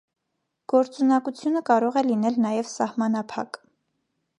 Գործունակությունը կարող է լինել նաև սահմանափակ։